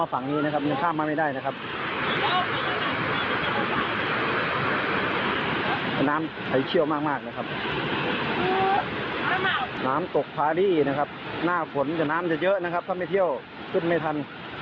หน้าฝนแต่น้ำจะเยอะถ้าไม่เที่ยวขึ้นไม่ทัน